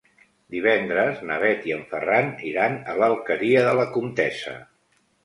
Divendres na Bet i en Ferran iran a l'Alqueria de la Comtessa.